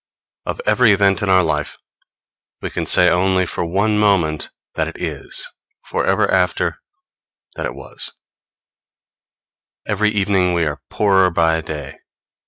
Of every event in our life we can say only for one moment that it is; for ever after, that it was. Every evening we are poorer by a day.